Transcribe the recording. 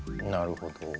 なるほど。